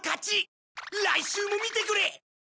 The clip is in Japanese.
来週も見てくれ！